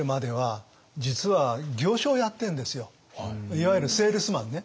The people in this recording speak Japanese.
いわゆるセールスマンね。